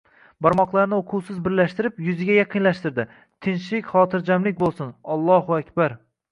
barmoqlarini oʼquvsiz birlashtirib, yuziga yaqinlashtirdi. — Tinchlik-xotirjamlik boʼlsin, Ollohu akbar!..